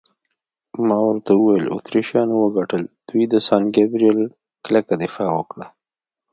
ما ورته وویل: اتریشیانو وګټل، دوی د سان ګبرېل کلکه دفاع وکړه.